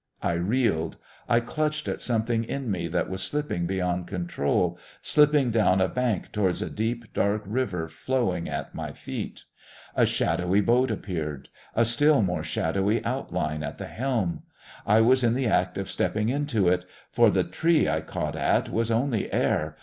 I reeled. I clutched at something in me that was slipping beyond control, slipping down a bank towards a deep, dark river flowing at my feet. A shadowy boat appeared, a still more shadowy outline at the helm. I was in the act of stepping into it. For the tree I caught at was only air.